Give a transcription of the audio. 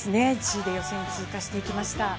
１位で予選通過していきました。